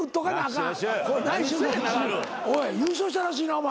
おい優勝したらしいなお前。